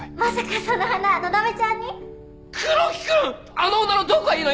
あの女のどこがいいのよ！？